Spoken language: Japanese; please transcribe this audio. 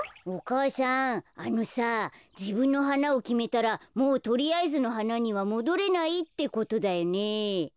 お母さんあのさじぶんのはなをきめたらもうとりあえずのはなにはもどれないってことだよね。